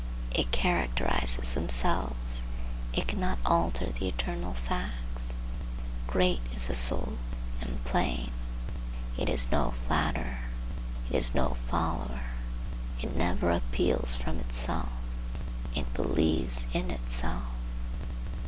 It characterizes themselves. It cannot alter the eternal facts. Great is the soul, and plain. It is no flatterer, it is no follower; it never appeals from itself. It believes in itself.